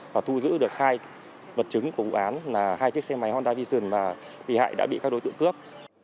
và thu giữ được hai vật chứng của vụ án là hai chiếc xe máy honda vision mà bị hại đã bị các đối tượng cướp